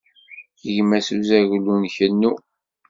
Gmas uzaglu d kennu.